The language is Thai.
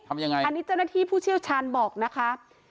อันนี้เจ้าหน้าที่ผู้เชี่ยวชาญบอกนะครับ